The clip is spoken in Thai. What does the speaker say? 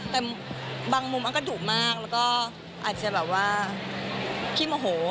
แต่บางมุมก็ดุมากแล้วก็อาจจะแบบว่าขี้โมโห